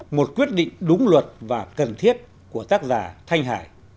một quyết định đúng luật và cần thiết của tác giả thanh hải